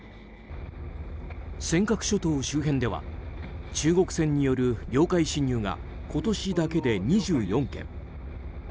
尖閣諸島周辺では中国船による領海侵入が今年だけで２４件。